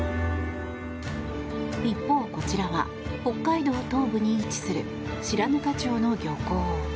一方、こちらは北海道東部に位置する白糠町の漁港。